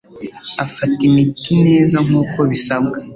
afata imiti neza nkuko bisabwa